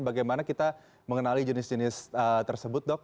bagaimana kita mengenali jenis jenis tersebut dok